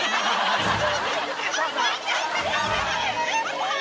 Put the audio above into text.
怖い！